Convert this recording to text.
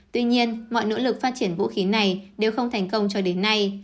tuy nhiên mọi nỗ lực phát triển vũ khí này đều không thành công cho đến nay